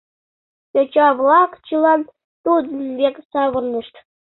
Йоча-влак чылан тудын век савырнышт.